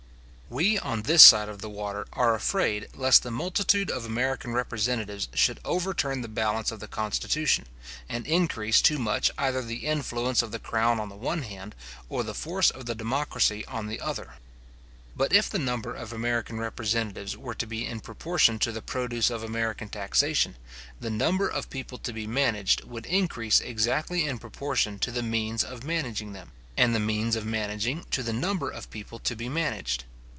We on this side the water are afraid lest the multitude of American representatives should overturn the balance of the constitution, and increase too much either the influence of the crown on the one hand, or the force of the democracy on the other. But if the number of American representatives were to be in proportion to the produce of American taxation, the number of people to be managed would increase exactly in proportion to the means of managing them, and the means of managing to the number of people to be managed.